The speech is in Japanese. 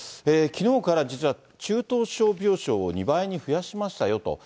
きのうから実は、中等症病床を２倍に増やしましたよと。